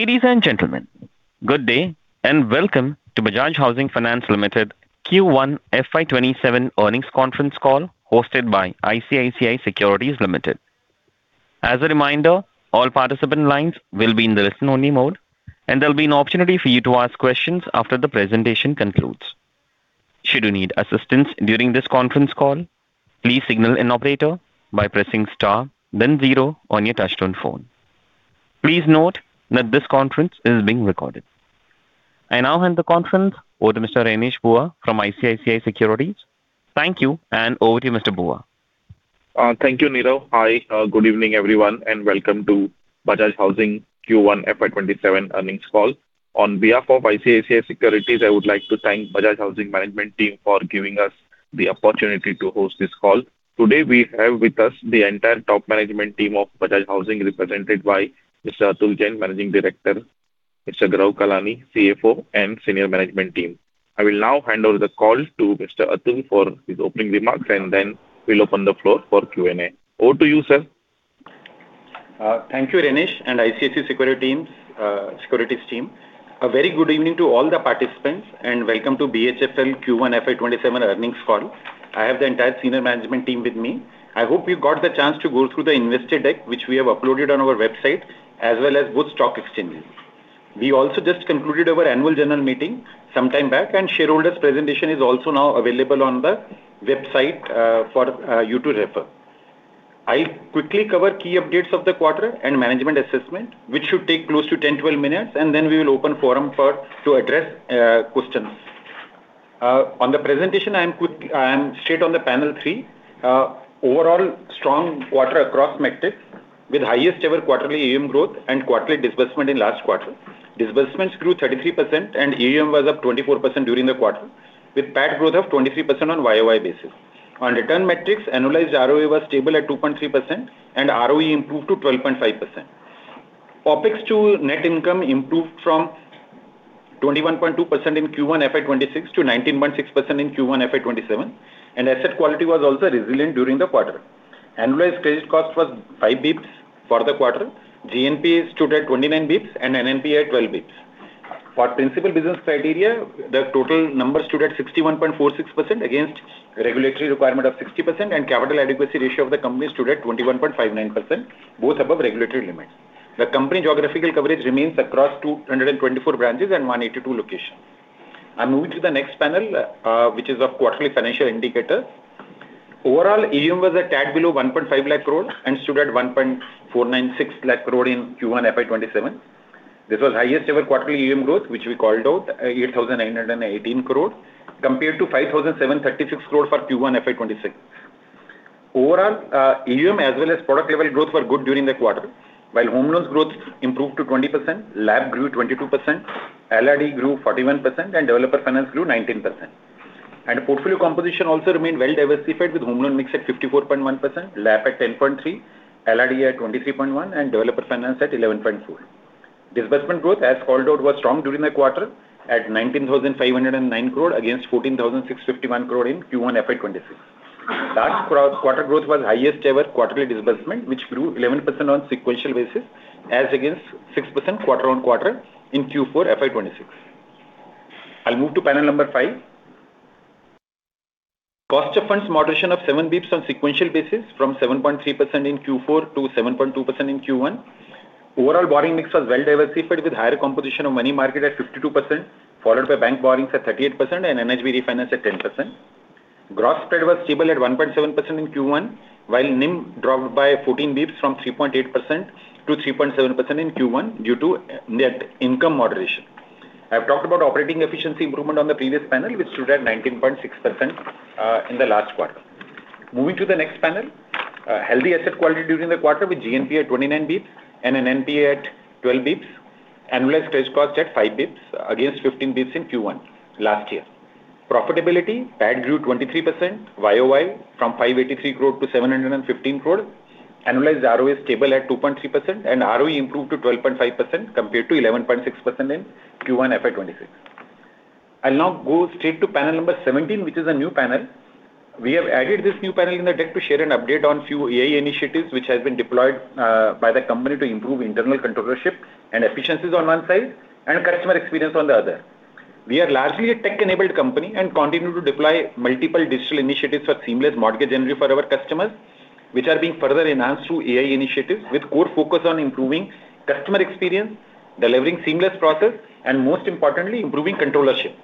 Ladies and gentlemen, good day and welcome to Bajaj Housing Finance Limited Q1 FY 2027 earnings conference call hosted by ICICI Securities Limited. As a reminder, all participant lines will be in the listen-only mode, there will be an opportunity for you to ask questions after the presentation concludes. Should you need assistance during this conference call, please signal an operator by pressing star then zero on your touchtone phone. Please note that this conference is being recorded. I now hand the conference over to Mr. Renish Bhuva from ICICI Securities. Thank you, over to you, Mr. Bua. Thank you, Niraj. Hi, good evening, everyone, and welcome to Bajaj Housing Q1 FY 2027 earnings call. On behalf of ICICI Securities, I would like to thank Bajaj Housing management team for giving us the opportunity to host this call. Today, we have with us the entire top management team of Bajaj Housing, represented by Mr. Atul Jain, Managing Director, Mr. Gaurav Kalani, CFO, and senior management team. I will now hand over the call to Mr. Atul for his opening remarks, and then we will open the floor for Q&A. Over to you, sir. Thank you, Rinesh and ICICI Securities team. A very good evening to all the participants, and welcome to BHFL Q1 FY 2027 earnings call. I have the entire senior management team with me. I hope you got the chance to go through the investor deck, which we have uploaded on our website as well as both stock exchanges. We also just concluded our annual general meeting sometime back. Shareholders presentation is also now available on the website for you to refer. I will quickly cover key updates of the quarter and management assessment, which should take close to 10-12 minutes, and then we will open forum to address questions. On the presentation, I am straight on the panel three. Overall strong quarter across metrics, with highest-ever quarterly AUM growth and quarterly disbursement in last quarter. Disbursement grew 33% and AUM was up 24% during the quarter, with PAT growth of 23% on YoY basis. On return metrics, annualized ROE was stable at 2.3%, and ROE improved to 12.5%. OpEx to net income improved from 21.2% in Q1 FY 2026 to 19.6% in Q1 FY 2027. Asset quality was also resilient during the quarter. Annualized credit cost was 5 basis points for the quarter. GNPA stood at 29 basis points and NNPA at 12 basis points. For principal business criteria, the total number stood at 61.46% against regulatory requirement of 60%. Capital adequacy ratio of the company stood at 21.59%, both above regulatory limits. The company geographical coverage remains across 224 branches and 182 locations. I am moving to the next panel, which is of quarterly financial indicators. Overall, AUM was a tad below 1.5 lakh crore and stood at 1.496 lakh crore in Q1 FY 2027. This was highest ever quarterly AUM growth, which we called out 8,918 crore compared to 5,736 crore for Q1 FY 2026. Overall, AUM as well as product level growth were good during the quarter. While home loans growth improved to 20%, LAP grew 22%, LRD grew 41%, and developer finance grew 19%. Portfolio composition also remained well diversified with home loan mix at 54.1%, LAP at 10.3%, LRD at 23.1%, and developer finance at 11.4%. Disbursement growth as called out was strong during the quarter at 19,509 crore against 14,651 crore in Q1 FY 2026. Last quarter growth was highest ever quarterly disbursement, which grew 11% on sequential basis as against 6% quarter-on-quarter in Q4 FY 2026. I'll move to panel number five. Cost of funds moderation of 7 basis points on sequential basis from 7.3% in Q4 to 7.2% in Q1. Overall borrowing mix was well diversified with higher composition of money market at 52%, followed by bank borrowings at 38%, and NHB refinance at 10%. Gross spread was stable at 1.7% in Q1, while NIM dropped by 14 basis points from 3.8% to 3.7% in Q1 due to net income moderation. I've talked about operating efficiency improvement on the previous panel, which stood at 19.6% in the last quarter. Moving to the next panel. Healthy asset quality during the quarter with GNPA at 29 basis points and NNPA at 12 basis points. Annualized credit cost at 5 basis points against 15 basis points in Q1 last year. Profitability, PAT grew 23% YoY from 583 crore to 715 crore. Annualized ROE is stable at 2.3%, and ROE improved to 12.5% compared to 11.6% in Q1 FY 2026. I'll now go straight to panel 17, which is a new panel. We have added this new panel in the deck to share an update on few AI initiatives, which has been deployed by the company to improve internal controllership and efficiencies on one side, and customer experience on the other. We are largely a tech-enabled company and continue to deploy multiple digital initiatives for seamless mortgage journey for our customers, which are being further enhanced through AI initiatives with core focus on improving customer experience, delivering seamless process, and most importantly, improving controllership.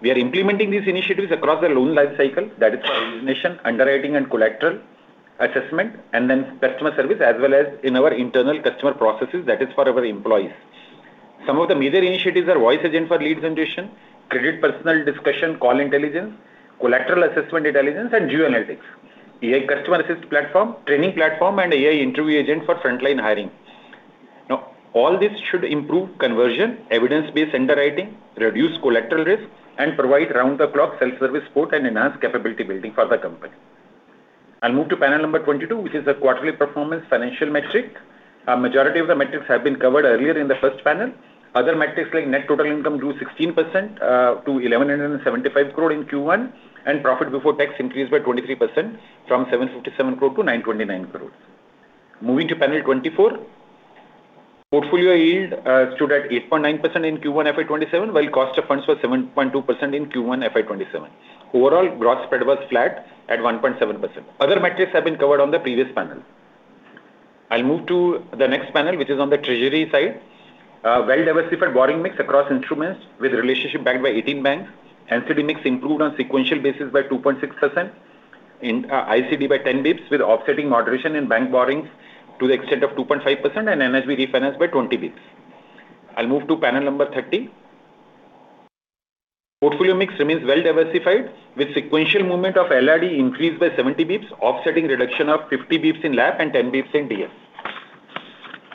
We are implementing these initiatives across the loan lifecycle, that is for origination, underwriting, and collateral assessment, and then customer service, as well as in our internal customer processes. That is for our employees. Some of the major initiatives are voice agent for lead generation, credit personal discussion, call intelligence, collateral assessment intelligence, and geoanalytics. AI customer assist platform, training platform, and AI interview agent for frontline hiring. All this should improve conversion, evidence-based underwriting, reduce collateral risk, and provide round-the-clock self-service support and enhance capability building for the company. I'll move to panel 22, which is the quarterly performance financial metric. Majority of the metrics have been covered earlier in the first panel. Other metrics like net total income grew 16% to 1,175 crore in Q1, and profit before tax increased by 23% from 757 crore to 929 crore. Moving to panel 24. Portfolio yield stood at 8.9% in Q1 FY 2027, while cost of funds was 7.2% in Q1 FY 2027. Overall, gross spread was flat at 1.7%. Other metrics have been covered on the previous panel. I'll move to the next panel, which is on the treasury side. Well-diversified borrowing mix across instruments with relationship bank by 18 banks. NCD mix improved on sequential basis by 2.6% in ICD by 10 basis points, with offsetting moderation in bank borrowings to the extent of 2.5% and NHB refinance by 20 basis points. I'll move to panel number 30. Portfolio mix remains well-diversified, with sequential movement of LRD increased by 70 basis points, offsetting reduction of 50 basis points in LAP and 10 basis points in DF.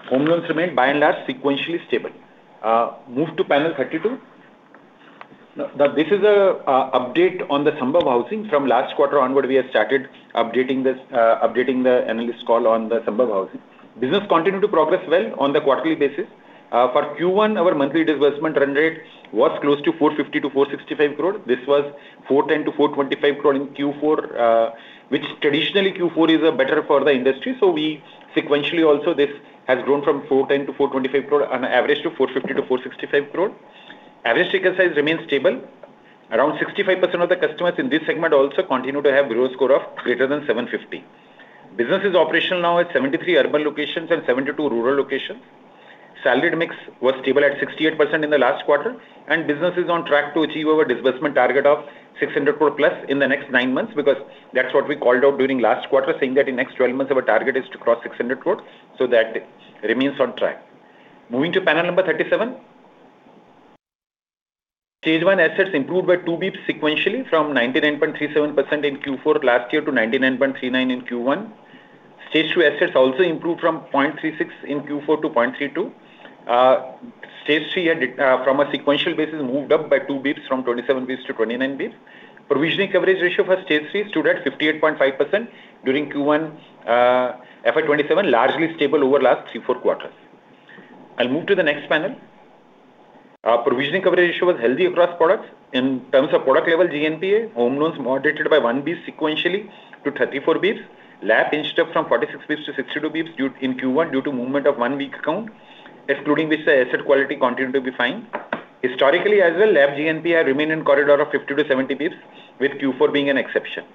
Home loans remain by and large sequentially stable. Move to panel 32. This is an update on the Sambhav Housing. From last quarter onward, we have started updating the analyst call on the Sambhav Housing. Business continued to progress well on the quarterly basis. For Q1, our monthly disbursement run rate was close to 450 crore-465 crore. This was 410 crore-425 crore in Q4, which traditionally Q4 is better for the industry. Sequentially also, this has grown from 410 crore to 425 crore on average to 450 crore-465 crore. Average ticket size remains stable. Around 65% of the customers in this segment also continue to have bureau score of greater than 750. Business is operational now at 73 urban locations and 72 rural locations. Salaried mix was stable at 68% in the last quarter, and business is on track to achieve our disbursement target of 600+ crore in the next nine months, because that's what we called out during last quarter, saying that in next 12 months, our target is to cross 600 crore. That remains on track. Moving to panel number 37. Stage 1 assets improved by 2 basis points sequentially from 99.37% in Q4 last year to 99.39% in Q1. Stage 2 assets also improved from 0.36% in Q4 to 0.32%. Stage 3 from a sequential basis moved up by 2 basis points, from 27 basis points to 29 basis points. Provisioning coverage ratio for Stage 3 stood at 58.5% during Q1 FY 2027, largely stable over last three, four quarters. I'll move to the next panel. Provisioning coverage ratio was healthy across products. In terms of product level GNPA, home loans moderated by one basis point sequentially to 34 basis points. LAP inched up from 46 basis points to 62 basis points in Q1 due to movement of one weak account, excluding which the asset quality continued to be fine. Historically as well, LAP GNPA remain in corridor of 50 basis points-70 basis points, with Q4 being an exception.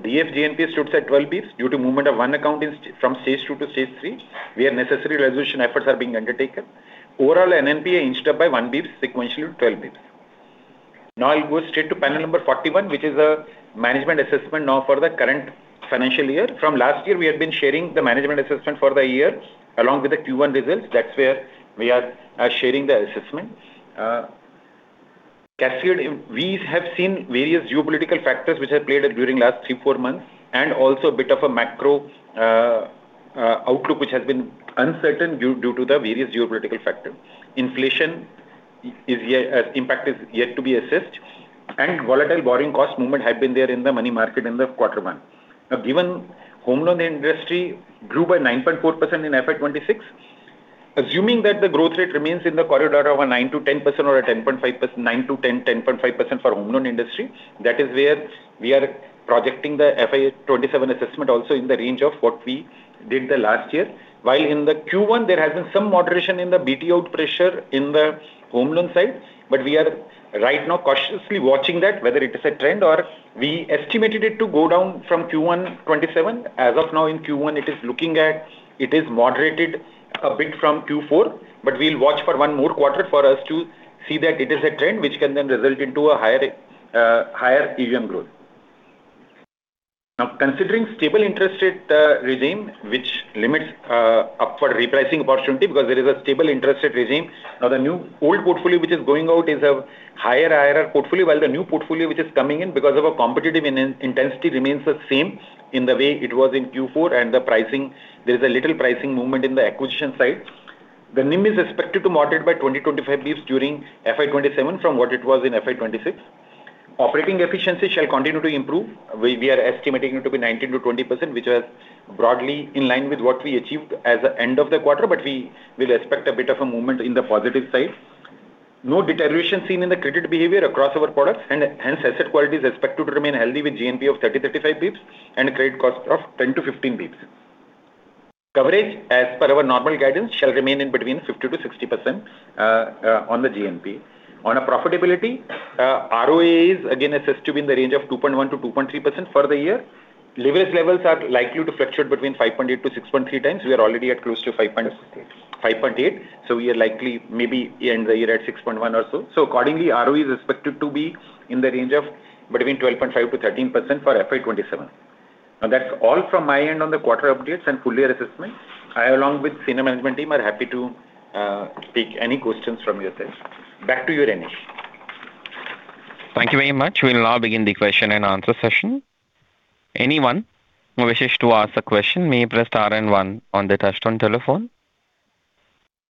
DF GNPA stood at 12 basis points due to movement of one account from Stage 2 to Stage 3, where necessary resolution efforts are being undertaken. Overall, NNPA inched up by 1 basis point sequentially to 12 basis points. I'll go straight to panel number 41, which is a management assessment now for the current financial year. From last year, we have been sharing the management assessment for the year along with the Q1 results. That's where we are sharing the assessments. We have seen various geopolitical factors which have played out during last three, four months, and also a bit of a macro outlook, which has been uncertain due to the various geopolitical factors. Inflation impact is yet to be assessed. Volatile borrowing cost movement had been there in the money market in the quarter one. Given home loan industry grew by 9.4% in FY 2026, assuming that the growth rate remains in the corridor of a 9%-10% or a 10.5% for home loan industry, that is where we are projecting the FY 2027 assessment also in the range of what we did the last year. While in the Q1, there has been some moderation in the BT out pressure in the home loan side, we are right now cautiously watching that whether it is a trend or we estimated it to go down from Q1 2027. As of now in Q1, it is moderated a bit from Q4, but we'll watch for one more quarter for us to see that it is a trend which can then result into a higher AUM growth. Considering stable interest rate regime, which limits up for repricing opportunity because there is a stable interest rate regime. The old portfolio which is going out is a higher IRR portfolio, while the new portfolio which is coming in because of a competitive intensity remains the same in the way it was in Q4 and there is a little pricing movement in the acquisition side. The NIM is expected to moderate by 20-25 basis points during FY 2027 from what it was in FY 2026. Operating efficiency shall continue to improve. We are estimating it to be 19%-20%, which was broadly in line with what we achieved as end of the quarter, but we will expect a bit of a movement in the positive side. No deterioration seen in the credit behavior across our products, and hence asset quality is expected to remain healthy with GNP of 30-35 basis points and a credit cost of 10-15 basis points. Coverage, as per our normal guidance, shall remain in between 50%-60% on the GNP. On a profitability, ROAs again assessed to be in the range of 2.1%-2.3% for the year. Leverage levels are likely to fluctuate between 5.8x-6.3x. We are already at close to 5- 5.8x. 5.8x. We are likely maybe end the year at 6.1x or so. Accordingly, ROE is expected to be in the range of between 12.5%-13% for FY 2027. That's all from my end on the quarter updates and full year assessment. I, along with senior management team, are happy to take any questions from your side. Back to you, Rinesh. Thank you very much. We'll now begin the question and answer session. Anyone who wishes to ask a question may press star and one on the touchtone telephone.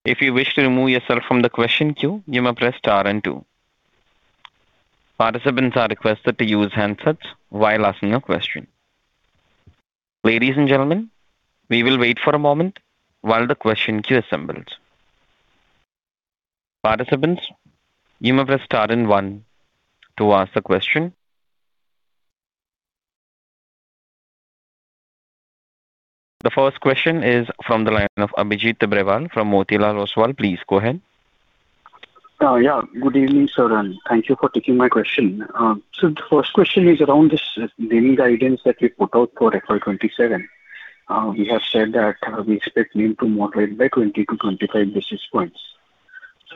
If you wish to remove yourself from the question queue, you may press star and two. Participants are requested to use handsets while asking a question. Ladies and gentlemen, we will wait for a moment while the question queue assembles. Participants, you may press star and one to ask a question. The first question is from the line of Abhijit Tibrewal from Motilal Oswal. Please go ahead. Good evening, sir, and thank you for taking my question. The first question is around this daily guidance that we put out for FY 2027. We have said that we expect NIM to moderate by 20-25 basis points.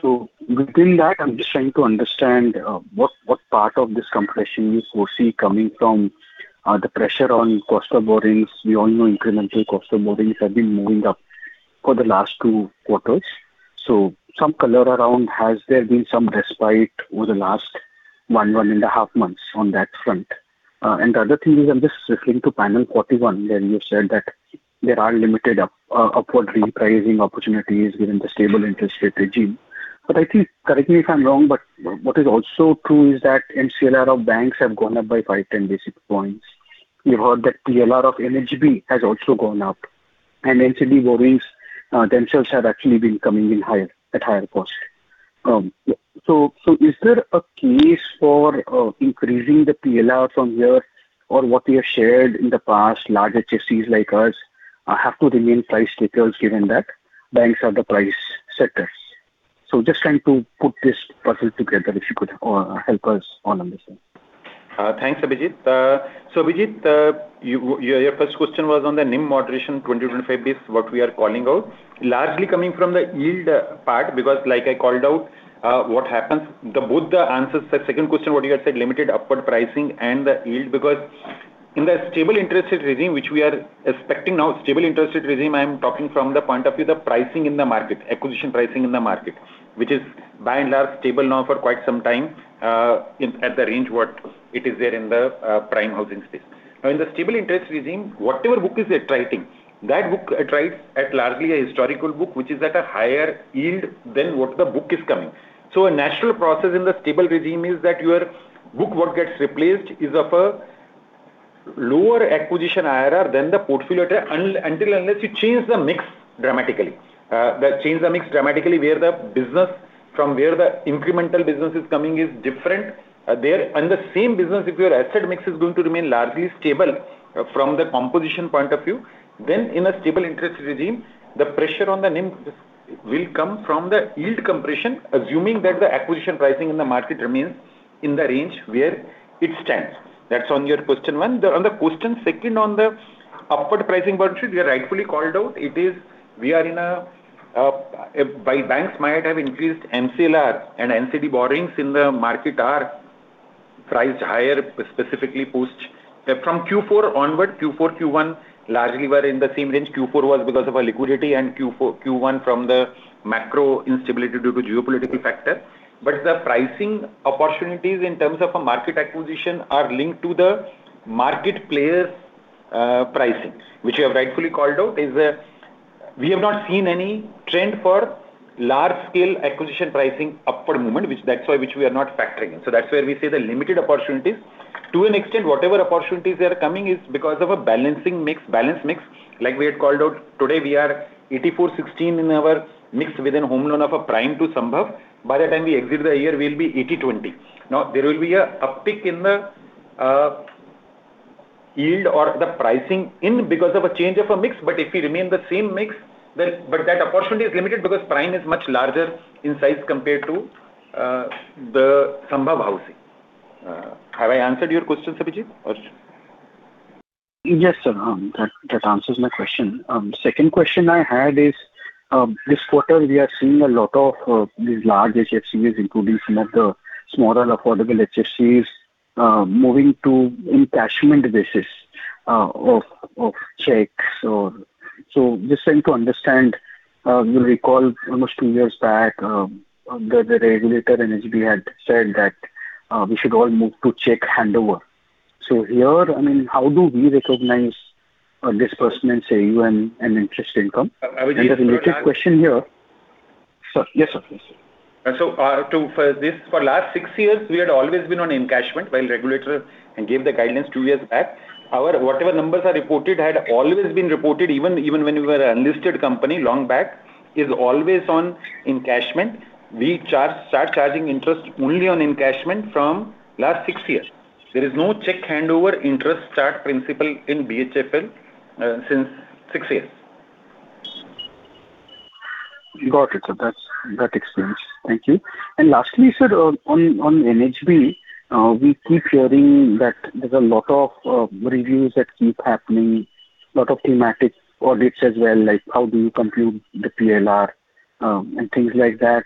Within that, I'm just trying to understand what part of this compression you foresee coming from the pressure on cost of borrowings. We all know incremental cost of borrowings have been moving up for the last two quarters. Some color around has there been some respite over the last 1.5 months on that front? The other thing is, I'm just referring to panel 41, where you said that there are limited upward repricing opportunities within the stable interest rate regime. I think, correct me if I'm wrong, what is also true is that MCLR of banks have gone up by 5-10 basis points. We've heard that PLR of NHB has also gone up, NCD borrowings themselves have actually been coming in at higher cost. Is there a case for increasing the PLR from here or what we have shared in the past, large HFCs like us have to remain price takers given that banks are the price setters. Just trying to put this puzzle together, if you could help us on understanding. Thanks, Abhijit. Abhijit, your first question was on the NIM moderation 20-25 basis points, what we are calling out, largely coming from the yield part because like I called out, what happens, both the answers. Second question, what you had said, limited upward pricing and the yield. In the stable interest rate regime, which we are expecting now, stable interest rate regime, I'm talking from the point of view the pricing in the market, acquisition pricing in the market. Is by and large stable now for quite some time at the range what it is there in the prime housing space. In the stable interest regime, whatever book is attriting, that book attrites at largely a historical book, which is at a higher yield than what the book is coming. A natural process in the stable regime is that your book what gets replaced is of a lower acquisition IRR than the portfolio unless you change the mix dramatically. Change the mix dramatically where the business from where the incremental business is coming is different. The same business, if your asset mix is going to remain largely stable from the composition point of view, then in a stable interest regime, the pressure on the NIM will come from the yield compression, assuming that the acquisition pricing in the market remains in the range where it stands. That's on your question one. On the question second on the upward pricing portion, you rightfully called out. Banks might have increased MCLR and NCD borrowings in the market are priced higher, specifically from Q4 onward. Q4, Q1 largely were in the same range. Q4 was because of a liquidity and Q1 from the macro instability due to geopolitical factor. The pricing opportunities in terms of a market acquisition are linked to the market players' pricing, which you have rightfully called out, is we have not seen any trend for large scale acquisition pricing upward movement. That's why we are not factoring in. That's where we say the limited opportunities. To an extent, whatever opportunities they are coming is because of a balance mix. Like we had called out, today, we are 84/16 in our mix within home loan of a prime to Sambhav. By the time we exit the year, we'll be 80/20. There will be a uptick in the yield or the pricing in because of a change of a mix, but if we remain the same mix, that opportunity is limited because prime is much larger in size compared to the Sambhav Housing. Have I answered your questions, Abhijit? Yes, sir. That answers my question. Second question I had is, this quarter, we are seeing a lot of these large HFCs, including some of the smaller affordable HFCs, moving to encashment basis of checks. Just trying to understand, you'll recall almost two years back, the regulator NHB had said that we should all move to check handover. Here, how do we recognize disbursement, say, an interest income? Abhijit- The related question here. Sir, yes, sir. For this, for last six years, we had always been on encashment while regulator gave the guidance two years back. Our whatever numbers are reported had always been reported, even when we were an unlisted company long back, is always on encashment. We start charging interest only on encashment from last six years. There is no check handover interest start principle in BHFL since six years. Got it, sir. That explains. Thank you. Lastly, sir, on NHB, we keep hearing that there's a lot of reviews that keep happening, lot of thematic audits as well, like how do you compute the PLR, and things like that.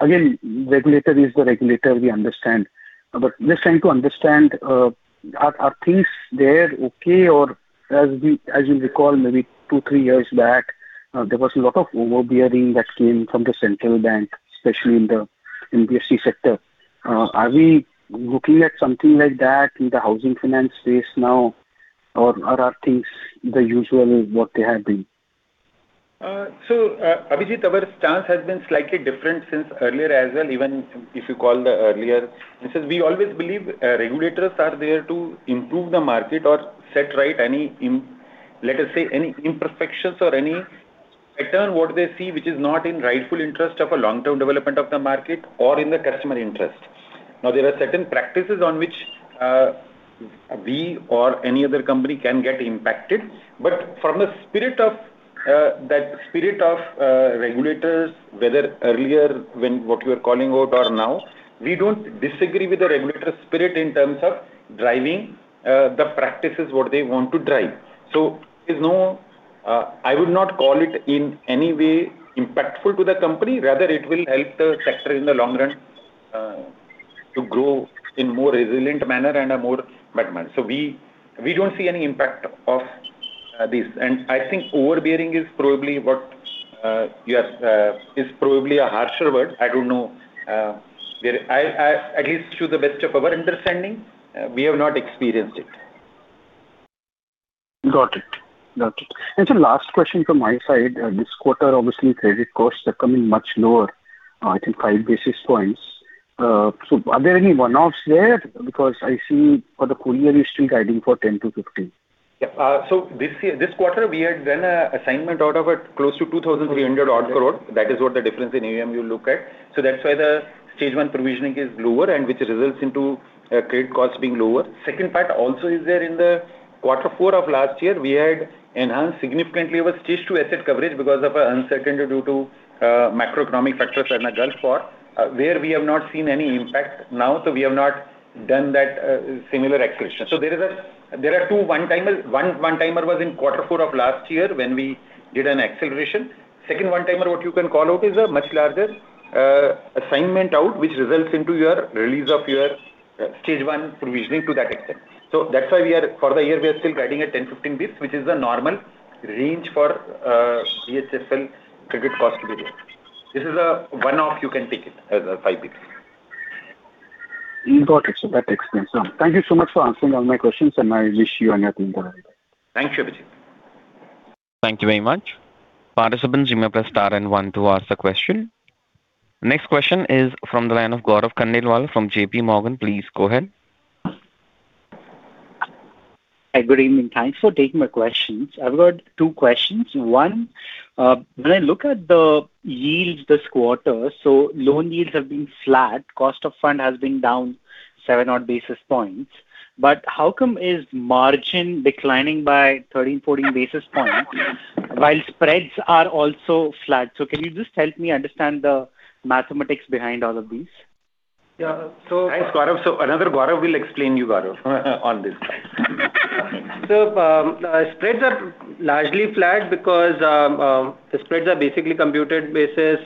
Again, regulator is the regulator, we understand. Just trying to understand, are things there okay? Or as you'll recall, maybe two, three years back, there was a lot of overbearing that came from the central bank, especially in the PFC sector. Are we looking at something like that in the housing finance space now? Or are things the usual what they had been? Abhijit, our stance has been slightly different since earlier as well, even if you call the earlier. We always believe regulators are there to improve the market or set right any, let us say, any imperfections or any what they see, which is not in rightful interest of a long-term development of the market or in the customer interest. There are certain practices on which we or any other company can get impacted. From the spirit of regulators, whether earlier what you're calling out or now, we don't disagree with the regulator spirit in terms of driving the practices, what they want to drive. I would not call it in any way impactful to the company. Rather, it will help the sector in the long run to grow in more resilient manner and a more mature manner. We don't see any impact of this. I think overbearing is probably a harsher word. At least to the best of our understanding, we have not experienced it. Got it. Sir, last question from my side. This quarter, obviously, credit costs are coming much lower, I think 5 basis points. Are there any one-offs there? Because I see for the full year, you're still guiding for 10-15 basis points. Yeah. This quarter, we had done a assignment out of it close to 2,300 odd crore. That is what the difference in AUM you look at. That's why the Stage 1 provisioning is lower, and which results into credit costs being lower. Second part also is there in the quarter four of last year, we had enhanced significantly with Stage 2 asset coverage because of a uncertainty due to macroeconomic factors that may ask for, where we have not seen any impact now. We have not done that similar acceleration. There are two one-timers. One one-timer was in quarter four of last year when we did an acceleration. Second one-timer, what you can call out, is a much larger assignment out, which results into your release of your Stage 1 provisioning to that extent. That's why for the year, we are still guiding at 10-15 basis points, which is the normal range for BHFL credit cost to be there. This is a one-off, you can take it as a 5 basis points. Got it. That explains. Thank you so much for answering all my questions, and I wish you and your team all the best. Thank you, Abhijit. Thank you very much. Participants, you may press star and one to ask a question. Next question is from the line of Gaurav Khandelwal from JPMorgan. Please go ahead. Good evening. Thanks for taking my questions. I've got two questions. One, when I look at the yields this quarter, loan yields have been flat. Cost of fund has been down 7-odd basis points. How come is margin declining by 13-14 basis points while spreads are also flat? Can you just help me understand the mathematics behind all of these? Thanks, Gaurav. Another Gaurav will explain you, Gaurav, on this. Spreads are largely flat because spreads are basically computed basis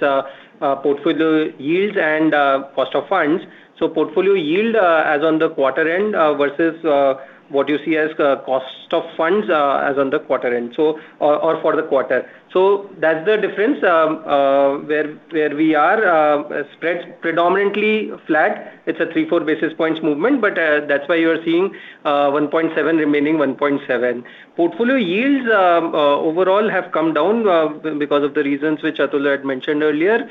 portfolio yield and cost of funds. Portfolio yield as on the quarter end versus what you see as cost of funds as on the quarter end, or for the quarter. That's the difference, where we are spreads predominantly flat. It's a 3-4 basis points movement, that's why you are seeing 1.7% remaining 1.7%. Portfolio yields overall have come down because of the reasons which Atul had mentioned earlier.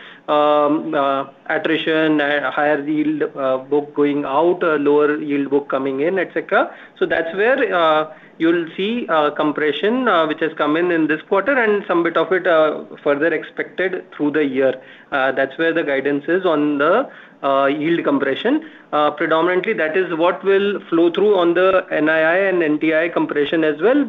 Attrition, higher yield book going out, lower yield book coming in, et cetera. That's where you'll see compression, which has come in in this quarter and some bit of it further expected through the year. That's where the guidance is on the yield compression. Predominantly, that is what will flow through on the NII and NTI compression as well.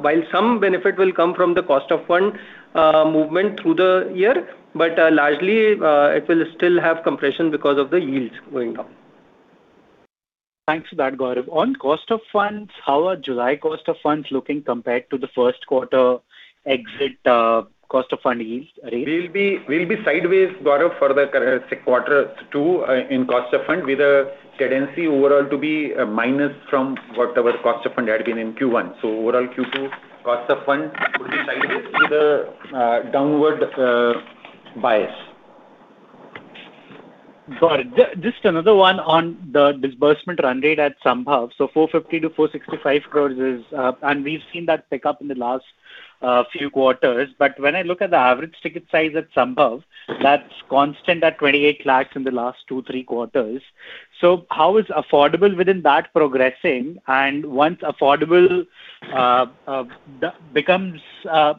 While some benefit will come from the cost of fund movement through the year. Largely, it will still have compression because of the yields going down. Thanks for that, Gaurav. On cost of funds, how are July cost of funds looking compared to the first quarter exit cost of fund yield rate? We'll be sideways, Gaurav, for the quarter two in cost of fund with a tendency overall to be a minus from whatever cost of fund had been in Q1. Overall, Q2 cost of fund would be sideways with a downward bias. Got it. Just another one on the disbursement run rate at Sambhav. 450 crore-465 crore is, and we've seen that pick up in the last few quarters. When I look at the average ticket size at Sambhav, that's constant at 28 lakh in the last two, three quarters. How is affordable within that progressing? Once affordable becomes a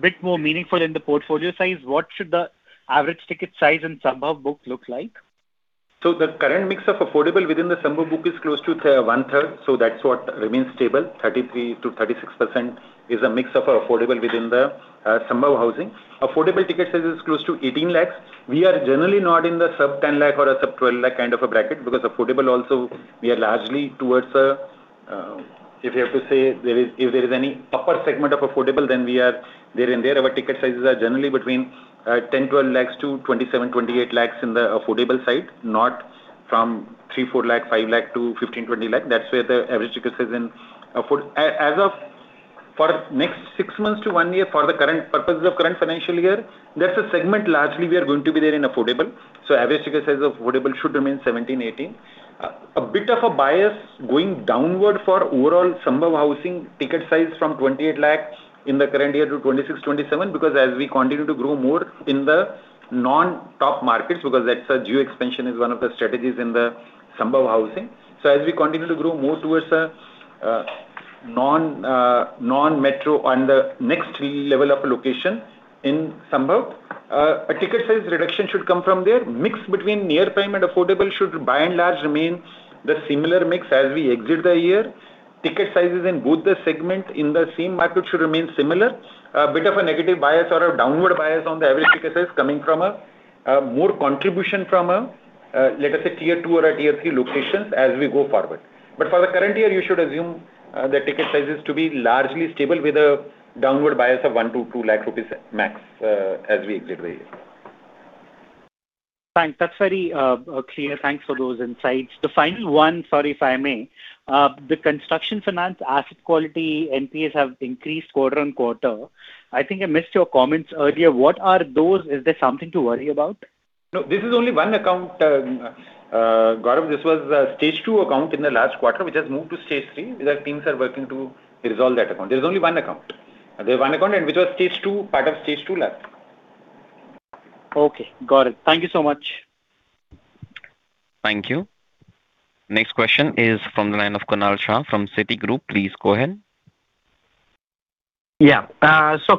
bit more meaningful in the portfolio size, what should the average ticket size in Sambhav book look like? The current mix of affordable within the Sambhav book is close to one-third, that's what remains stable. 33%-36% is a mix of affordable within the Sambhav Housing. Affordable ticket size is close to 18 lakh. We are generally not in the sub-INR 10 lakh or a sub-INR 12 lakh kind of a bracket because affordable also, we are largely towards a If you have to say, if there is any upper segment of affordable, then we are there and there. Our ticket sizes are generally between 10 lakh-12 lakh to 27 lakh-28 lakh in the affordable side, not from 3 lakh, 4 lakh, 5 lakh to 15 lakh-20 lakh. That's where the average ticket size in, as of for next six months to one year for the purposes of current financial year, that's the segment largely we are going to be there in affordable. Average ticket size affordable should remain 17 lakh-18 lakh. A bit of a bias going downward for overall Sambhav Housing ticket size from 28 lakh in the current year to 26 lakh-27 lakh because as we continue to grow more in the non-top markets, because that's a geo expansion is one of the strategies in the Sambhav Housing. As we continue to grow more towards the Non-metro and the next three level of location in Sambhav Housing. A ticket size reduction should come from there. Mix between near-prime and affordable should by and large remain the similar mix as we exit the year. Ticket sizes in both the segment in the same market should remain similar. A bit of a negative bias or a downward bias on the average ticket size coming from a more contribution from a, let us say, Tier 2 or a Tier 3 locations as we go forward. For the current year, you should assume the ticket sizes to be largely stable with a downward bias of 1 lakh-2 lakh rupees max as we exit the year. Thanks. That's very clear. Thanks for those insights. The final one, sorry if I may. The construction finance asset quality NPAs have increased quarter-on-quarter. I think I missed your comments earlier. What are those? Is there something to worry about? No, this is only one account, Gaurav. This was a Stage 2 account in the last quarter, which has moved to Stage 3. The teams are working to resolve that account. There's only one account. There's one account, which was part of Stage 2 LAP. Okay. Got it. Thank you so much. Thank you. Next question is from the line of Kunal Shah from Citigroup. Please go ahead. Yeah.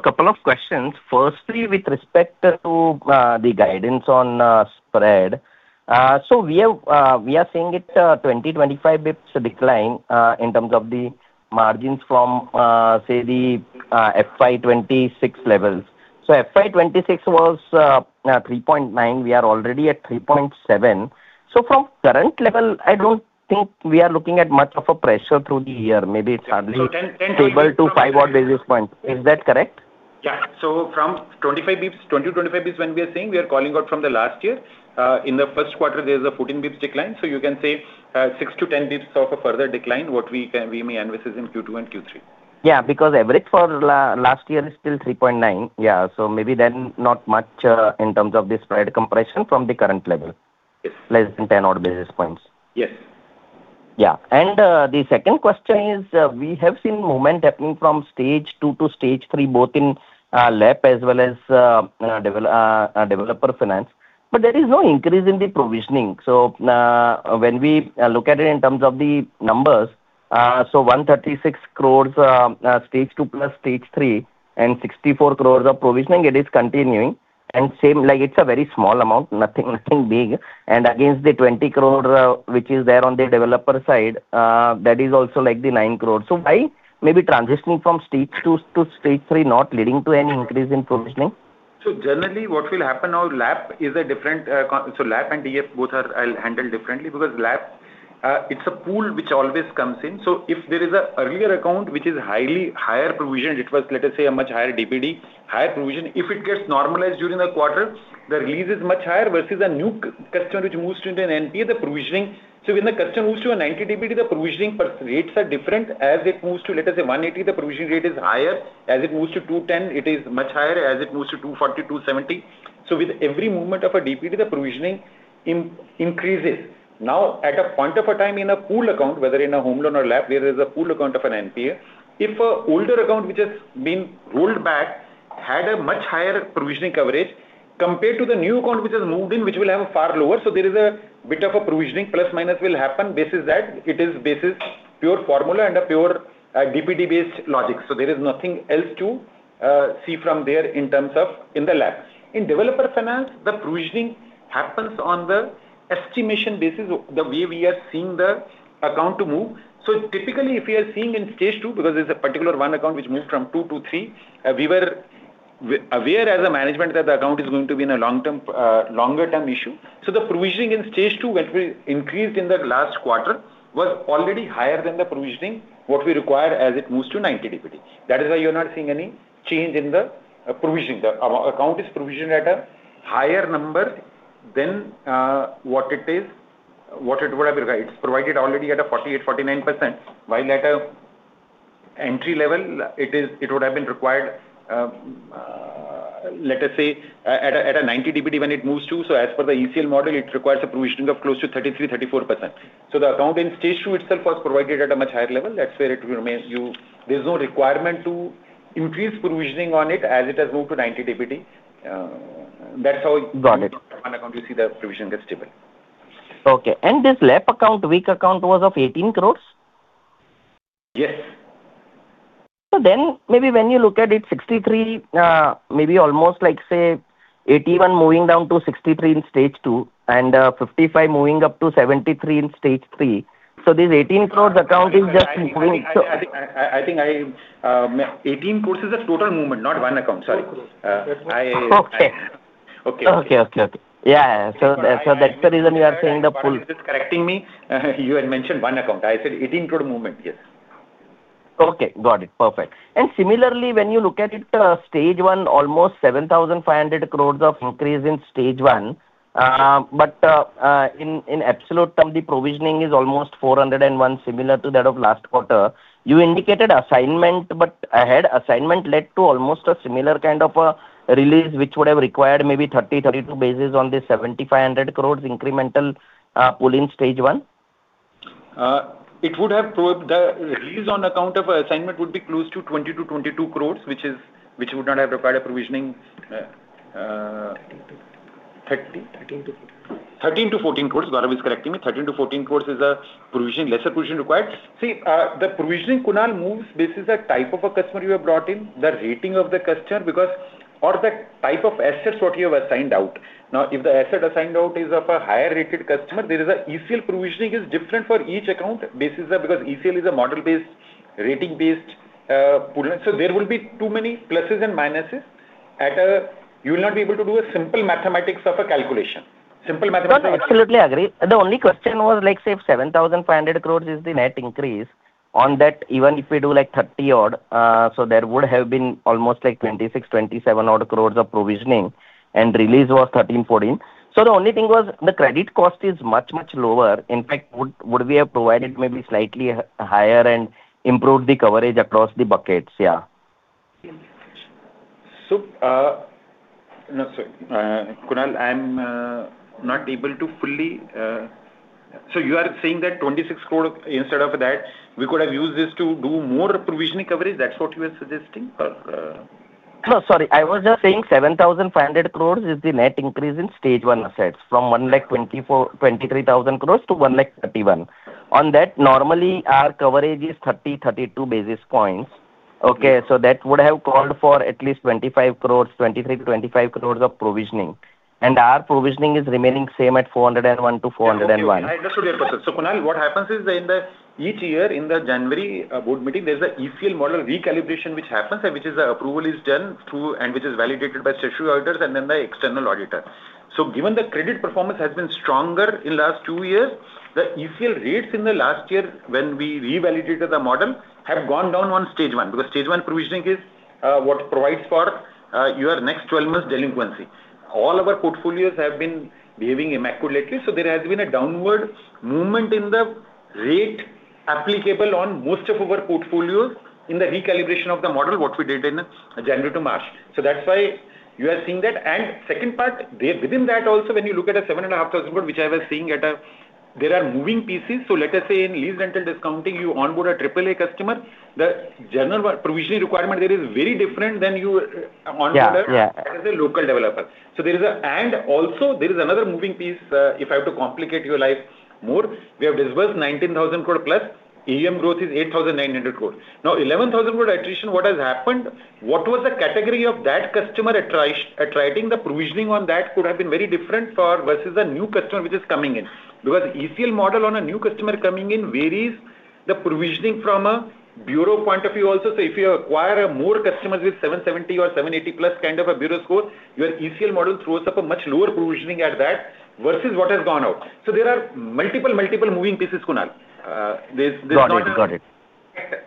Couple of questions. Firstly, with respect to the guidance on spread. We are seeing it 20-25 basis points decline in terms of the margins from, say the FY 2026 levels. FY 2026 was 3.9%. We are already at 3.7%. From current level, I don't think we are looking at much of a pressure through the year. So 10- stable to 5-odd basis points. Is that correct? Yeah. From 20-25 basis points when we are saying, we are calling out from the last year. In the first quarter, there is a 14 basis points decline. You can say 6-10 basis points of a further decline, what we may envisage in Q2 and Q3. Yeah, average for last year is still 3.9%. Yeah, maybe not much in terms of the spread compression from the current level. Yes. Less than 10-odd basis points. Yes. Yeah. The second question is, we have seen movement happening from Stage 2 to Stage 3, both in LAP as well as developer finance. There is no increase in the provisioning. When we look at it in terms of the numbers, 136 crore Stage 2 plus Stage 3 and 64 crore of provisioning, it is continuing, and it is a very small amount, nothing big. Against the 20 crore, which is there on the developer side, that is also the 9 crore. Why maybe transitioning from Stage 2 to Stage 3 not leading to any increase in provisioning? Generally, what will happen now, LAP and DF both are handled differently because LAP, it is a pool which always comes in. If there is an earlier account which is higher provision, it was, let us say, a much higher DPD, higher provision. If it gets normalized during the quarter, the release is much higher versus a new customer which moves into an NPA, the provisioning. When the customer moves to a 90 DPD, the provisioning rates are different. As it moves to, let us say 180 DPD, the provisioning rate is higher. As it moves to 210 DPD, it is much higher, as it moves to 240-270 DPD. With every movement of a DPD, the provisioning increases. Now, at a point of a time in a pool account, whether in a home loan or LAP, there is a pool account of an NPA. If an older account, which has been rolled back, had a much higher provisioning coverage compared to the new account which has moved in, which will have a far lower, there is a bit of a provisioning plus minus will happen. This is that. It is basis pure formula and a pure DPD-based logic. There is nothing else to see from there in terms of in the LAP. In developer finance, the provisioning happens on the estimation basis, the way we are seeing the account to move. Typically, if we are seeing in Stage 2, because there is a particular one account which moved from 2 to 3, we were aware as a management that the account is going to be in a longer-term issue. The provisioning in Stage 2, which we increased in the last quarter, was already higher than the provisioning, what we require as it moves to 90 DPD. That is why you are not seeing any change in the provisioning. The account is provisioned at a higher number than what it would have required. It is provided already at a 48%-49%, while at an entry level it would have been required, let us say, at a 90 DPD when it moves to. As per the ECL model, it requires a provisioning of close to 33%-34%. The account in Stage 2 itself was provided at a much higher level. There is no requirement to increase provisioning on it as it has moved to 90 DPD. That is how. Got it. One account you see the provision gets stable. Okay. This LAP account, weak account was of 18 crores? Yes. Maybe when you look at it, 63 crore, maybe almost say 81 crore moving down to 63 crore in Stage 2 and 55 crore moving up to 73 crore in Stage 3. This 18 crores account is just moving. I think 18 crore is the total movement, not one account, sorry. Okay. I- Okay. Okay. Yeah. That's the reason you are saying the pool. Parag is just correcting me. You had mentioned one account. I said INR 18 crore movement. Yes. Okay, got it. Perfect. Similarly, when you look at it, Stage 1, almost 7,500 crore of increase in Stage 1. In absolute term, the provisioning is almost 401, similar to that of last quarter. You indicated assignment, but ahead assignment led to almost a similar kind of a release, which would have required maybe 30-32 basis points on the 7,500 crore incremental pool in Stage 1. The release on account of assignment would be close to 20 crore-22 crore, which would not have required a provisioning 13 crore-14 crore. 13 crore-14 crore, Gaurav is correcting me. 13 crore-14 crore is a lesser provision required. See, the provisioning, Kunal, moves. This is a type of a customer you have brought in, the rating of the customer or the type of assets what you have assigned out. Now, if the asset assigned out is of a higher-rated customer, ECL provisioning is different for each account. Because ECL is a model-based, rating-based pool. There will be too many pluses and minuses. You will not be able to do a simple mathematics of a calculation. No, absolutely agree. The only question was, say if 7,500 crore is the net increase, on that even if we do 30 crore odd, there would have been almost 26 crore-27 crore odd of provisioning, and release was 13 crore-14 crore. The only thing was, the credit cost is much, much lower. In fact, would we have provided maybe slightly higher and improved the coverage across the buckets? Yeah. Kunal, you are saying that 26 crore, instead of that, we could have used this to do more provisioning coverage, that's what you are suggesting? No, sorry. I was just saying 7,500 crore is the net increase in Stage 1 assets. From 123,000 crore to 131,000 crore. On that, normally our coverage is 30-32 basis points. Okay? That would have called for at least 23 crore-25 crore of provisioning. Our provisioning is remaining same at 401 crore-401 crore. Yeah. Okay. I understood your question. Kunal, what happens is, each year in the January board meeting, there's a ECL model recalibration which happens, and which is approval is done and which is validated by statutory auditors and then the external auditor. Given the credit performance has been stronger in last two years, the ECL rates in the last year when we revalidated the model, have gone down on Stage 1, because Stage 1 provisioning is what provides for your next 12 months delinquency. All our portfolios have been behaving immaculately, there has been a downward movement in the rate applicable on most of our portfolios in the recalibration of the model, what we did in January to March. That's why you are seeing that. Second part, within that also, when you look at a 7,500 crore, which I was saying, there are moving pieces. Let us say in lease rental discounting, you onboard a AAA customer. The general provisioning requirement there is very different than you- Yeah. - onboard a local developer. Also, there is another moving piece, if I have to complicate your life more. We have disbursed 19,000+ crore. AUM growth is 8,900 crore. Now, 11,000 crore attrition, what has happened, what was the category of that customer attriting? The provisioning on that could have been very different versus a new customer which is coming in. Because ECL model on a new customer coming in varies the provisioning from a bureau point of view also. If you acquire more customers with 770 or 780+ kind of a bureau score, your ECL model throws up a much lower provisioning at that, versus what has gone out. There are multiple moving pieces, Kunal. Got it. There's not a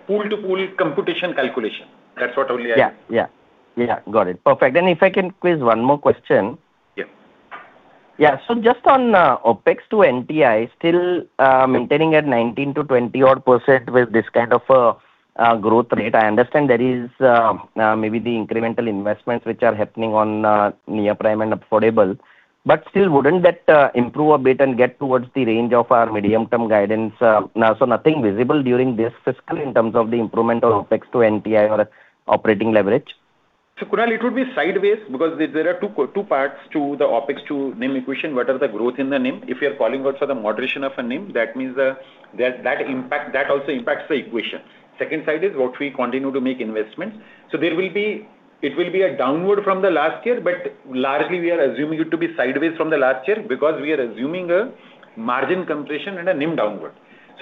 pool-to-pool computation calculation. That's what only. Got it. Perfect. If I can quiz one more question. Yeah. Just on OpEx to NTI, still maintaining at 19%-20% odd with this kind of a growth rate. I understand there is maybe the incremental investments which are happening on near prime and affordable. Still, wouldn't that improve a bit and get towards the range of our medium-term guidance? Nothing visible during this fiscal in terms of the improvement of OpEx to NTI or operating leverage. Kunal, it would be sideways because there are two parts to the OpEx to NIM equation. What are the growth in the NIM? If you're calling out for the moderation of a NIM, that also impacts the equation. Second side is what we continue to make investments. It will be a downward from the last year, but largely we are assuming it to be sideways from the last year, because we are assuming a margin compression and a NIM downward.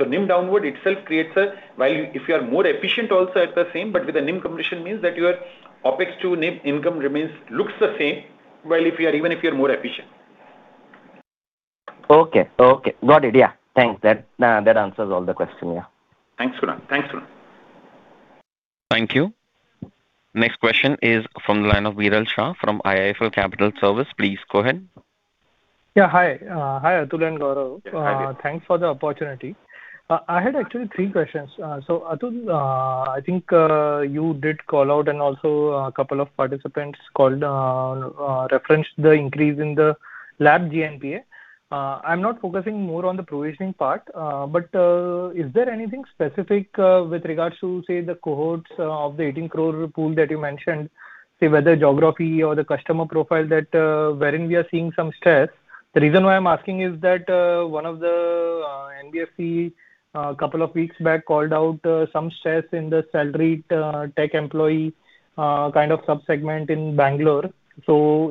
NIM downward itself. If you are more efficient also at the same, but with a NIM compression means that your OpEx to NIM income remains, looks the same, even if you're more efficient. Okay. Got it. Yeah. Thanks. That answers all the question, yeah. Thanks, Kunal. Thank you. Next question is from the line of Viral Shah from IIFL Capital Services. Please go ahead. Yeah, hi. Hi, Atul and Gaurav. Hi. Thanks for the opportunity. I had actually three questions. Atul, I think you did call out, and also a couple of participants referenced the increase in the LAP GNPA. I'm not focusing more on the provisioning part. But is there anything specific with regards to, say, the cohorts of the 18 crore pool that you mentioned, say whether geography or the customer profile wherein we are seeing some stress? The reason why I'm asking is that one of the NBFC, a couple of weeks back, called out some stress in the salaried tech employee kind of sub-segment in Bangalore.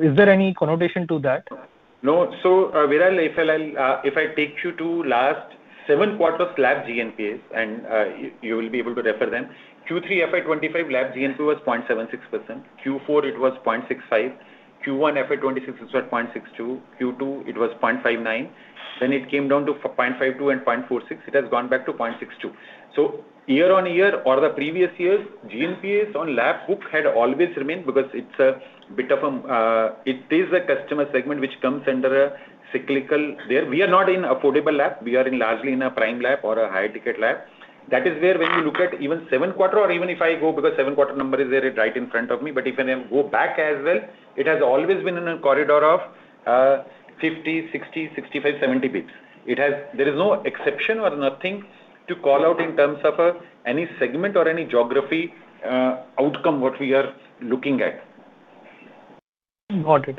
Is there any connotation to that? No. Viral, if I take you to last seven quarters LAP GNPA, and you will be able to refer them. Q3 FY 2025 LAP GNPA was 0.76%. Q4 it was 0.65%. Q1 FY 2026, it was 0.62%. Q2 it was 0.59%. Then it came down to 0.52% and 0.46%. It has gone back to 0.62%. Year-on-year or the previous years, GNPA on LAP book had always remained, because it is a customer segment which comes under a cyclical there. We are not in affordable LAP. We are largely in a prime LAP or a higher ticket LAP. That is where when you look at even seven quarter or even if I go, because seven quarter number is there right in front of me, but even if go back as well, it has always been in a corridor of 50, 60, 65, 70 basis points. There is no exception or nothing to call out in terms of any segment or any geography outcome, what we are looking at. Got it.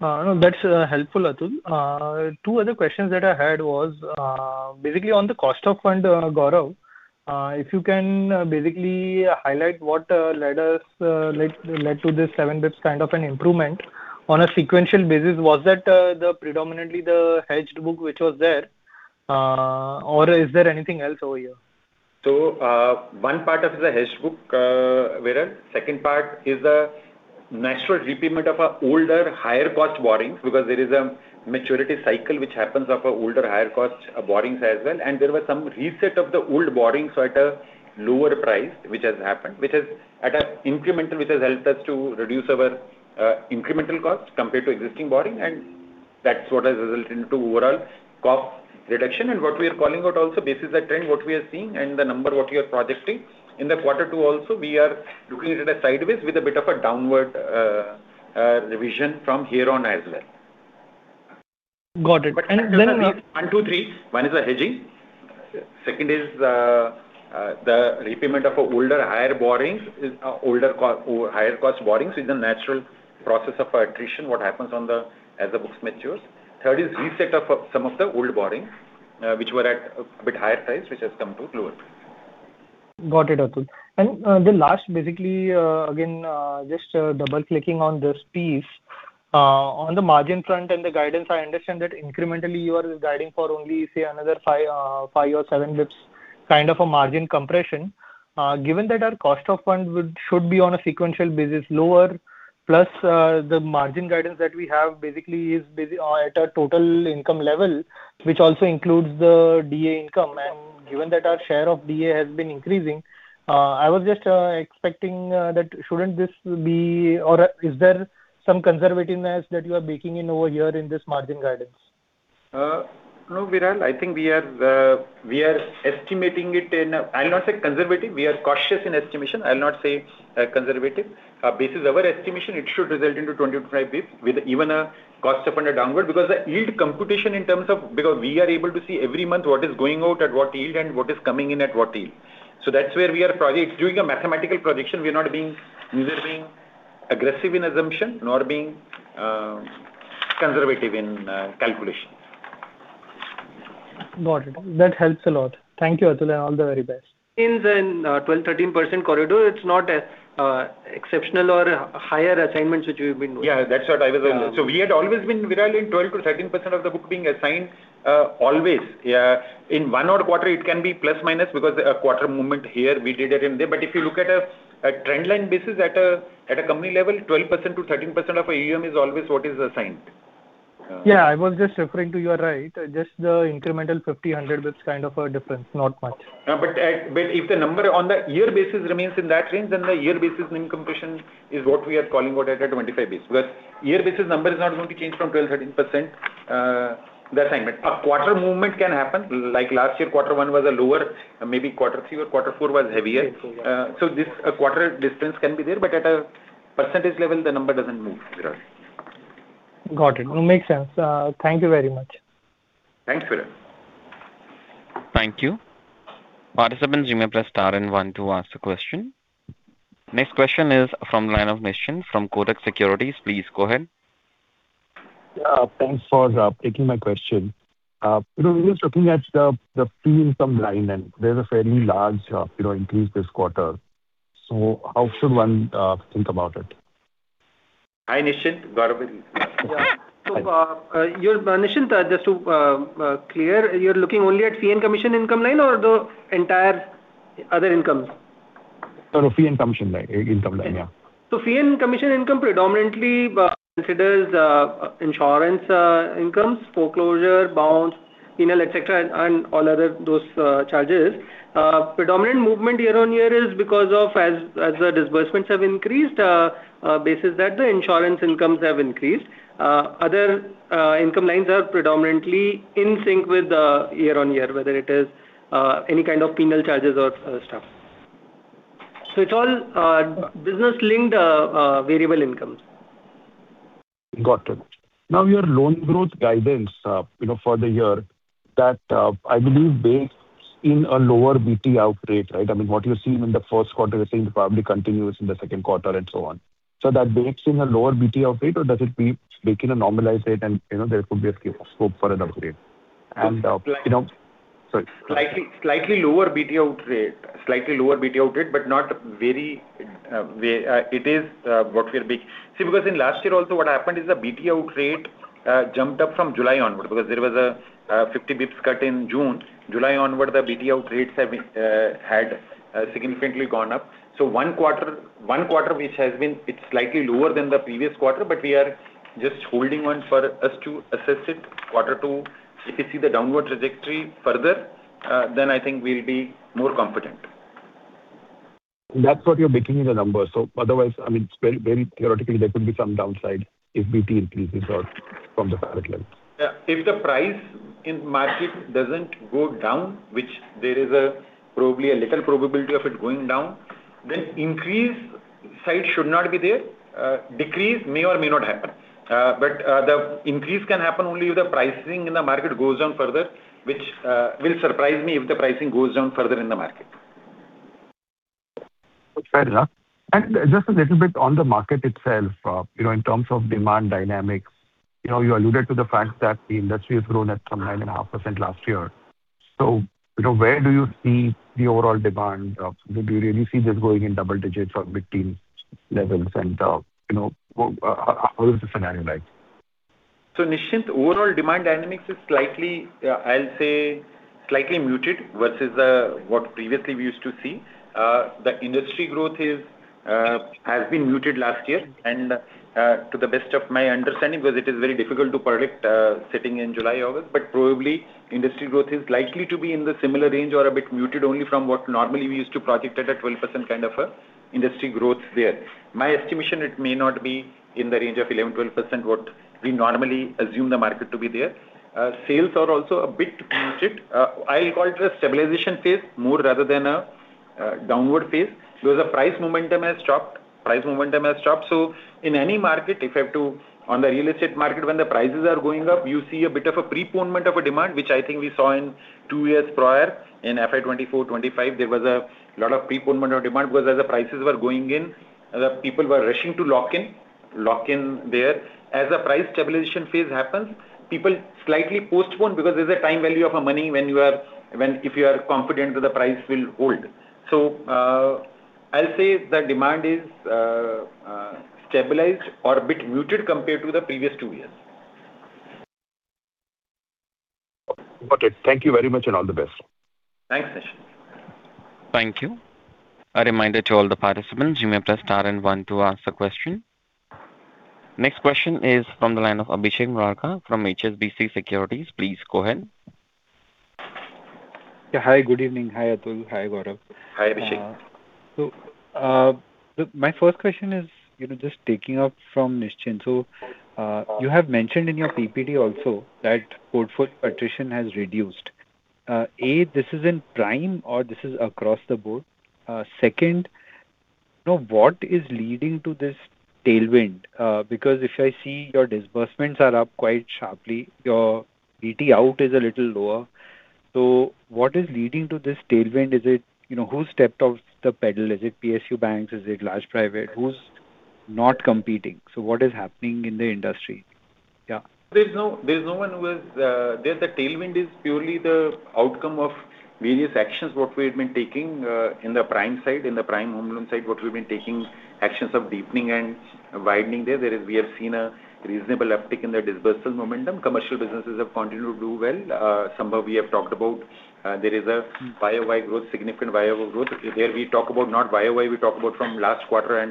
That's helpful, Atul. Two other questions that I had was basically on the cost of fund, Gaurav, if you can basically highlight what led to this 7 basis points kind of an improvement on a sequential basis. Was that predominantly the hedged book which was there, or is there anything else over here? One part of it is the hedge book, Viral. Second part is a natural repayment of older, higher cost borrowings because there is a maturity cycle which happens of older higher cost borrowings as well. There was some reset of the old borrowings at a lower price, which has happened, which has, at an incremental, helped us to reduce our incremental cost compared to existing borrowing, and that's what has resulted into overall cost reduction. What we are calling out also, this is a trend, what we are seeing and the number what we are projecting. In the quarter two also, we are looking at it sideways with a bit of a downward revision from here on as well. Got it. There are one, two, three. One is the hedging. Second is the repayment of older, higher cost borrowings is a natural process of attrition what happens as the books matures. Third is reset of some of the old borrowings, which were at a bit higher price, which has come to lower. Got it, Atul. The last, basically, again, just double-clicking on this piece. On the margin front and the guidance, I understand that incrementally you are guiding for only, say, another 5 or 7 basis points kind of a margin compression. Given that our cost of funds should be on a sequential basis lower, plus the margin guidance that we have basically is at a total income level, which also includes the DA income. Given that our share of DA has been increasing, I was just expecting that shouldn't this be or is there some conservativeness that you are baking in over here in this margin guidance? No, Viral, I think we are estimating it in a, I'll not say conservative, we are cautious in estimation. I'll not say conservative. Based on our estimation, it should result into 25 basis points with even a cost of fund downward because the yield computation in terms of because we are able to see every month what is going out at what yield and what is coming in at what yield. That's where we are doing a mathematical projection. We're neither being aggressive in assumption nor being conservative in calculation. Got it. That helps a lot. Thank you, Atul, all the very best. Means in 12%-13% corridor, it's not exceptional or higher assignments which we've been doing. Yeah, that's what I was also, we had always been, Viral, in 12%-13% of the book being assigned, always. In one odd quarter, it can be plus minus because a quarter movement here, we did it in there. If you look at a trendline basis at a company level, 12%-13% of AUM is always what is assigned. Yeah, I was just referring to your right, just the incremental 50-100 basis points kind of a difference. Not much. If the number on the year basis remains in that range, the year basis margin compression is what we are calling out at a 25 basis points, because year basis number is not going to change from 12%-13% the assignment. A quarter movement can happen, like last year quarter one was lower, maybe quarter three or quarter four was heavier. Right. This quarter distance can be there, at a percentage level, the number doesn't move, Viral. Got it. Makes sense. Thank you very much. Thanks, Viral. Thank you. Participants, you may press star and one to ask the question. Next question is from line of Nishant from Kotak Securities. Please go ahead. Thanks for taking my question. We're just looking at the fee income line item. There's a fairly large increase this quarter. How should one think about it? Hi, Nishant. Gaurav here. Nishant, just to clear, you're looking only at fee and commission income line or the entire other income? Sorry, fee income line. Income line, yeah. Fee and commission income predominantly considers insurance incomes, foreclosure, bounce, penal, et cetera, and all other those charges. Predominant movement year-over-year is because of as the disbursements have increased, basis that the insurance incomes have increased. Other income lines are predominantly in sync with the year-over-year, whether it is any kind of penal charges or other stuff. It's all business-linked variable incomes. Got it. Your loan growth guidance for the year, that I believe bakes in a lower BT out rate, right? I mean, what you're seeing in the first quarter, you're saying it probably continues in the second quarter and so on. That bakes in a lower BT out rate or does it bake in a normalized rate and there could be a scope for an upgrade? Slightly lower BT out rate, but not very. It is what we are baking. Because in last year also, what happened is the BT out rate jumped up from July onward because there was a 50 basis points cut in June. July onward, the BT out rates had significantly gone up. One quarter which has been slightly lower than the previous quarter, but we are just holding on for us to assess it. Quarter two, if we see the downward trajectory further, I think we'll be more confident. That's what you're baking in the numbers. Otherwise, I mean, very theoretically, there could be some downside if BT increases or from the current level. If the price in market doesn't go down, which there is probably a little probability of it going down. Increase side should not be there. Decrease may or may not happen. The increase can happen only if the pricing in the market goes down further, which will surprise me if the pricing goes down further in the market. Fair enough. Just a little bit on the market itself, in terms of demand dynamics. You alluded to the fact that the industry has grown at some 9.5% last year. Where do you see the overall demand? Do you really see this going in double digits or mid-teens levels? How is the scenario like? Nishant, overall demand dynamics is, I'll say, slightly muted versus what previously we used to see. The industry growth has been muted last year, and to the best of my understanding, because it is very difficult to predict, sitting in July, August. Probably, industry growth is likely to be in the similar range or a bit muted only from what normally we used to project at a 12% kind of industry growth there. My estimation, it may not be in the range of 11%-12%, what we normally assume the market to be there. Sales are also a bit muted. I call it a stabilization phase more rather than a downward phase, because the price momentum has dropped. In any market, if I have to, on the real estate market, when the prices are going up, you see a bit of a preponement of a demand, which I think we saw in two years prior. In FY 2024-2025, there was a lot of preponement of demand because as the prices were going in, the people were rushing to lock in there. As the price stabilization phase happens, people slightly postpone because there's a time value of a money if you are confident that the price will hold. I'll say the demand is stabilized or a bit muted compared to the previous two years. Okay. Thank you very much and all the best. Thanks, Nishant. Thank you. A reminder to all the participants, you may press star and one to ask the question. Next question is from the line of Abhishek Murarka from HSBC Securities. Please go ahead. Yeah. Hi, good evening. Hi, Atul. Hi, Gaurav. Hi, Abhishek. My first question is, just taking off from Nishant. You have mentioned in your PPT also that code foot attrition has reduced. A, this is in prime or this is across the board. Second, what is leading to this tailwind? Because if I see your disbursements are up quite sharply, your BT out is a little lower. What is leading to this tailwind? Who stepped off the pedal? Is it PSU banks? Is it large private? Who's not competing? What is happening in the industry? Yeah. There, the tailwind is purely the outcome of various actions, what we've been taking in the prime side. In the prime home loan side, what we've been taking actions of deepening and widening there. There, we have seen a reasonable uptick in the disbursal momentum. Commercial businesses have continued to do well. Sambhav, we have talked about. There is a significant YoY growth. There, we talk about not YoY, we talk about from last quarter and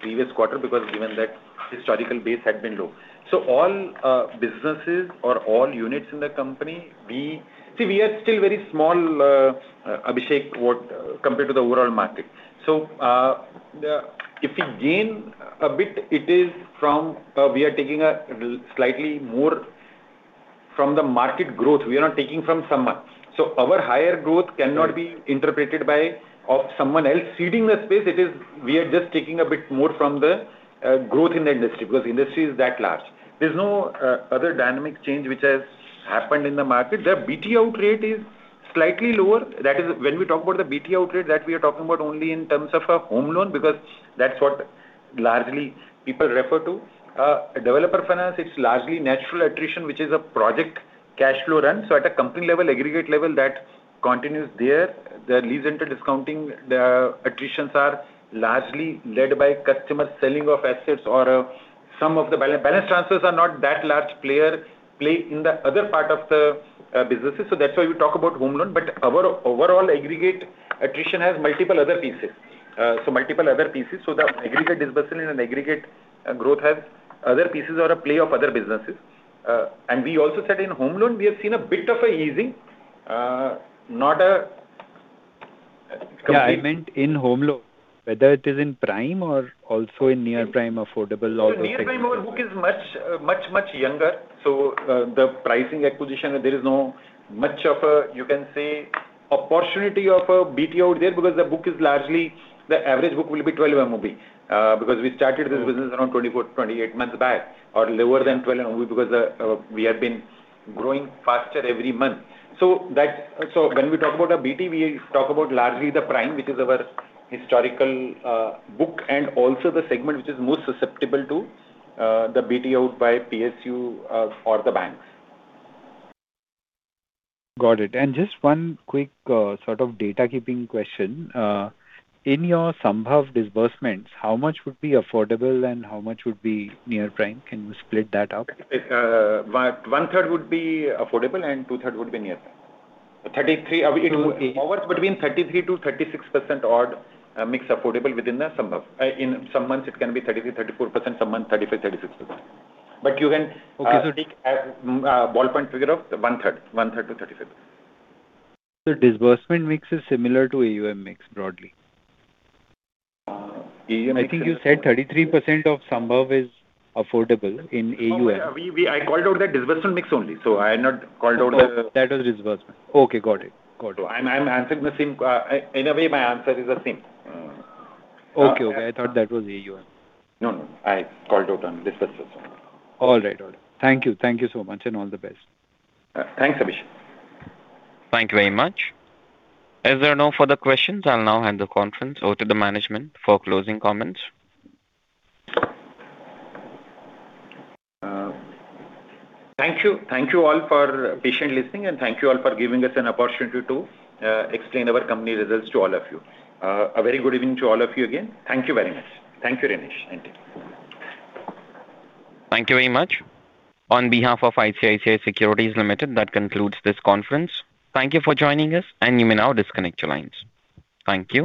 previous quarter, because given that historical base had been low. All businesses or all units in the company, we see, we are still very small, Abhishek, compared to the overall market. If we gain a bit, it is from, we are taking slightly more from the market growth. We are not taking from someone. Our higher growth cannot be interpreted by someone else ceding the space. We are just taking a bit more from the growth in the industry, because industry is that large. There's no other dynamic change which has happened in the market. The BT out rate is slightly lower. That is when we talk about the BT out rate, that we are talking about only in terms of a home loan, because that's what largely people refer to. Developer finance, it's largely natural attrition, which is a project cash flow run. At a company level, aggregate level, that continues there. The lease rental discounting, the attritions are largely led by customer selling of assets or some of the balance transfers are not that large play in the other part of the businesses. That's why you talk about home loan. Our overall aggregate attrition has multiple other pieces. Multiple other pieces. The aggregate disbursal and aggregate growth has other pieces or a play of other businesses. We also said in home loan, we have seen a bit of a easing. Yeah, I meant in home loan. Whether it is in prime or also in near prime affordable or. Near prime our book is much, much younger. The pricing acquisition, there is no much of a, you can say, opportunity of a BT out there because the average book will be 12 MOB. We started this business around 24-28 months back or lower than 12 MOB because we have been growing faster every month. When we talk about a BT, we talk about largely the prime, which is our historical book, and also the segment which is most susceptible to the BT out by PSU or the banks. Got it. Just one quick sort of data keeping question. In your Sambhav disbursements, how much would be affordable and how much would be near prime? Can you split that up? One third would be affordable and two third would be near prime. Between 33%-36% odd mix affordable within the Sambhav. In some months it can be 33%-34%, some months 35%-36%. You can. Okay. Take a ball point figure of one third to 37%. Disbursement mix is similar to AUM mix broadly. AUM- I think you said 33% of Sambhav is affordable in AUM. I called out the disbursal mix only. I had not called out. Oh, that was disbursement. Okay, got it. I'm answering the same. In a way, my answer is the same. Okay. I thought that was AUM. No, no. I called out on disbursements only. All right. Thank you. Thank you so much and all the best. Thanks, Abhishek. Thank you very much. There are no further questions, I'll now hand the conference over to the management for closing comments. Thank you. Thank you all for patiently listening and thank you all for giving us an opportunity to explain our company results to all of you. A very good evening to all of you again. Thank you very much. Thank you, Rinesh. Thank you. Thank you very much. On behalf of ICICI Securities Limited, that concludes this conference. Thank you for joining us, and you may now disconnect your lines. Thank you.